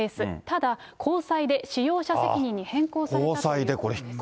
ただ、高裁で使用者責任に変更されたということです。